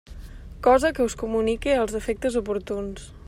Cosa que us comunique als efectes oportuns.